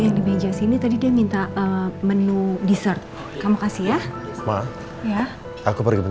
gak bisa berpikir sama si penjen